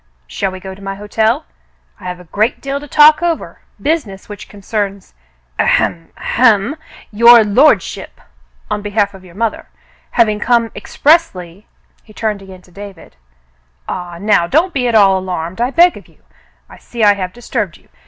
"Shall we go to my hotel ? I have a great deal to talk over — business which concerns — ahem — ahem — your lordship, on behalf of your mother, having come ex pressly —" he turned again to David. "Ah, now don't be at all alarmed, I beg of you. I see I have disturbed you.